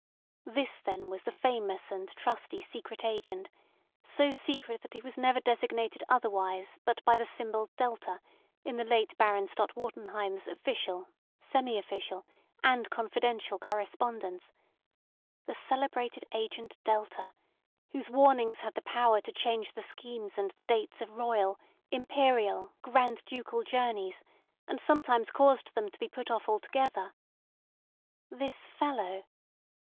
This was then the famous and trusty secret agent, so secret that he was never designated otherwise but by the symbol [delta] in the late Baron Stott Wartenheim's official, semi official, and confidential correspondence; the celebrated agent [delta], whose warnings had the power to change the schemes and the dates of royal, imperial, grand ducal journeys, and sometimes caused them to be put off altogether! This fellow!